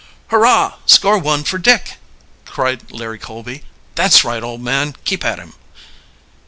"Hurrah! Score one for Dick!" cried Larry Colby. "That's right, old man, keep at him."